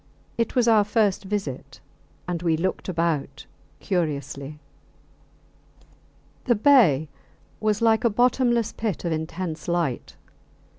It was our first visit, and we looked about curiously. The bay was like a bottomless pit of intense light.